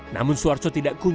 namun suarso tidak kunjung